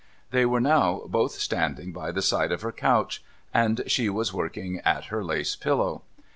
They were now both standing by the side of her couch, and she was working at her lace pillow.